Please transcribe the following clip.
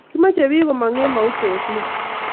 Kimache pik komag en mauche oset